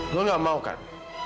lo gak mau kan